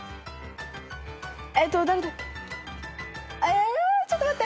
えーちょっと待って。